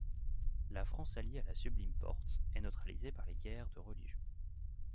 La France alliée à la Sublime Porte, est neutralisée par les guerres de religion.